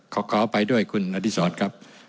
ขอข่าวไปด้วยคุณอธิษฐศครับ